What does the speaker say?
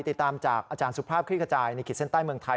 ติดตามจากอาจารย์สุภาพคลิกกระจายในขีดเส้นใต้เมืองไทย